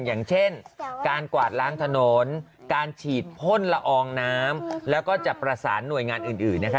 อย่างเช่นการกวาดล้างถนนการฉีดพ่นละอองน้ำแล้วก็จะประสานหน่วยงานอื่นนะคะ